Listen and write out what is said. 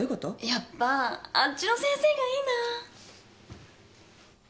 やっぱあっちの先生がいいな。